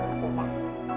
dia masih keadaan komang